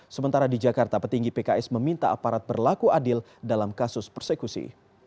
sementara di jakarta petinggi pks meminta aparat berlaku adil dalam kasus persekusi